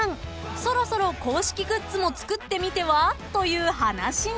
［そろそろ公式グッズも作ってみては？という話に］